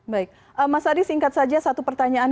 baik mas adi singkat saja satu pertanyaan